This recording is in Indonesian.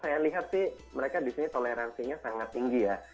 saya melihat sih mereka disini toleransinya sangat tinggi ya